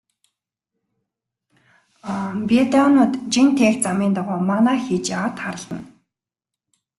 Бедоинууд жин тээх замын дагуу манаа хийж яваад тааралдана.